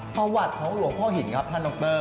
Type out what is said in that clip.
ประวัติของหลวงพ่อหินครับท่านดร